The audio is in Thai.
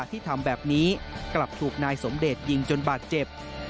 ที่ทำแบบนี้กลับถูกนายสมเดชยิงจนบาดเจ็บ